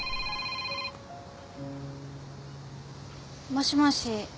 もしもし。